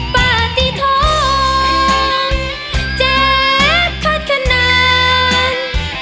ปาติท้องแจ้บขาดขนาด